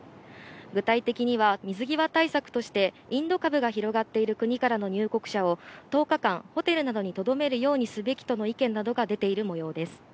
具体的には水際対策としてインド株が広がっている国からの入国者を１０日間ホテルなどにとどめるようにすべきとの意見などが出ている模様です。